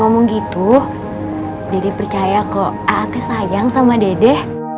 tapi itu dede percaya kok a a t sayang sama dede